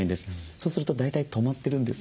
そうすると大体止まってるんです。